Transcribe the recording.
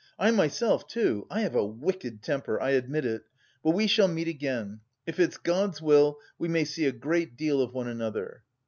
"I myself, too... I have a wicked temper, I admit it! But we shall meet again. If it's God's will, we may see a great deal of one another."